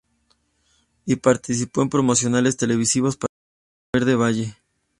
Y participó en promocionales televisivos para la marca Verde Valle.